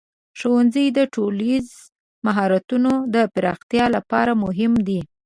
ښوونځی د ټولنیز مهارتونو د پراختیا لپاره مهم دی.